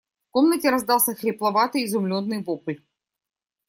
В комнате раздался хрипловатый изумленный вопль.